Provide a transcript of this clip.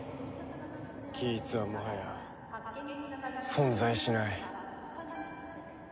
ギーツはもはや存在しない。